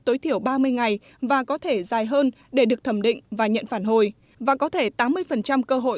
tối thiểu ba mươi ngày và có thể dài hơn để được thẩm định và nhận phản hồi và có thể tám mươi cơ hội